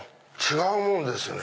違うもんですね。